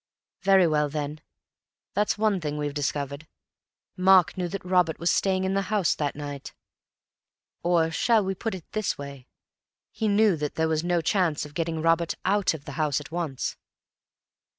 "Very well, then. That's one thing we've discovered. Mark knew that Robert was staying in the house that night. Or shall we put it this way—he knew that there was no chance of getting Robert out of the house at once."